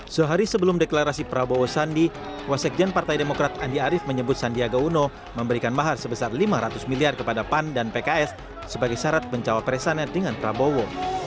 sehari sebelum deklarasi prabowo sandi wasekjen partai demokrat andi arief menyebut sandiaga uno memberikan mahar sebesar lima ratus miliar kepada pan dan pks sebagai syarat pencawapresannya dengan prabowo